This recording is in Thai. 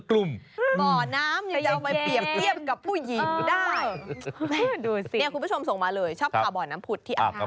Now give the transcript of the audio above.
คุณผู้ชมส่งมาเลยชอบข่าวบ่อน้ำผุดที่อาธารกรรม